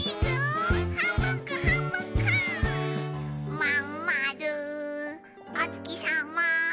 「まんまるおつきさま」